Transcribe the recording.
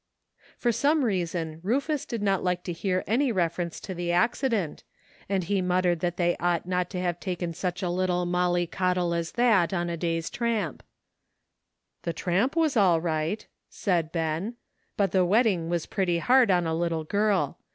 For some reason Rufus did not like to hear any reference to the accident, and he muttered that they ought not to have taken such a little "Mollie Coddle" as that on a day's tramp. "The tramp was all right," said Ben, "but the wetting was pretty hard on a little girl.